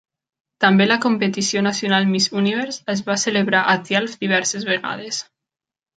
També la competició nacional Miss Univers es va celebrar a Thialf diverses vegades.